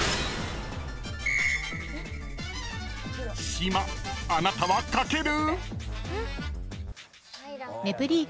［島あなたは書ける？］